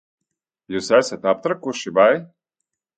Jūs esat aptrakuši, vai?